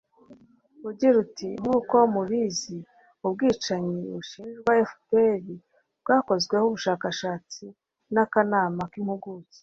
ugira uti: «nkuko mubizi, ubwicanyi bushinjwa fpr bwakozweho ubushakashatsi n'akanama k'impuguke